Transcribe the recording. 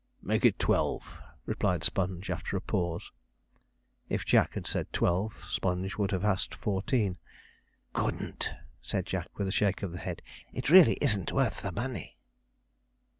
'Make it twelve,' replied Sponge, after a pause. If Jack had said twelve. Sponge would have asked fourteen. 'Couldn't,' said Jack, with a shake of the head; 'it really isn't with (worth) the money.'